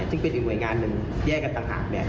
ซึ่งเป็นอีกหน่วยงานหนึ่งแยกกันต่างหาก